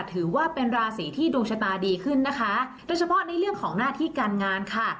ถือว่าเป็นราศีที่ดวงชะตาดีขึ้นนะคะโดยเฉพาะในเรื่องของหน้าที่การงานค่ะ